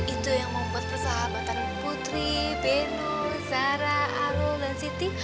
itu yang membuat persahabatan putri benu sarah arul dan siti